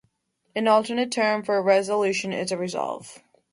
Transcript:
An alternate term for a resolution is a "resolve".